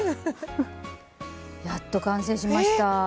やっと完成しました。